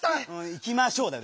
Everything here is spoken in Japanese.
「いきましょう」だよ。